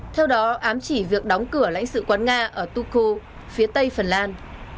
theo đó ám chỉ việc đóng cửa lãnh sự quán nga ở toku phía tây phần lan